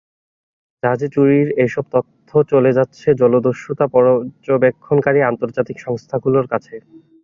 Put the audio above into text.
জাহাজে চুরির এসব তথ্য চলে যাচ্ছে জলদস্যুতা পর্যবেক্ষণকারী আন্তর্জাতিক সংস্থাগুলোর কাছে।